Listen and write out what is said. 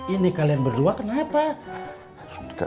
ini kalian berdua kenapa